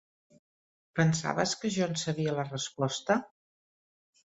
Pensaves que jo en sabia la resposta?